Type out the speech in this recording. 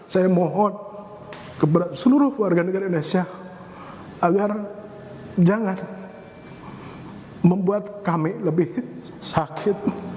saya mohon kepada seluruh warga negara indonesia agar jangan membuat kami lebih sakit